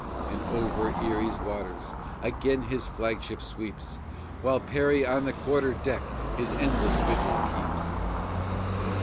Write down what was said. And over Erie's waters, Again his flagship sweeps, While Perry on the quarter deck His endless vigil keeps.